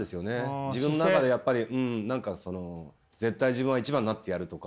自分の中でやっぱり何かその絶対自分は１番になってやるとか。